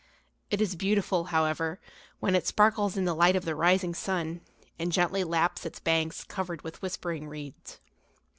It is beautiful, however, when it sparkles in the light of the rising sun and gently laps its banks covered with whispering reeds.